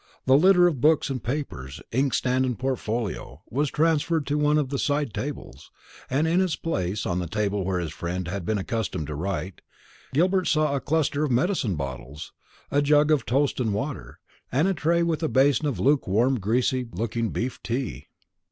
The litter of books and papers, ink stand and portfolio, was transferred to one of the side tables, and in its place, on the table where his friend had been accustomed to write, Gilbert saw a cluster of medicine bottles, a jug of toast and water, and a tray with a basin of lukewarm greasy looking beef tea.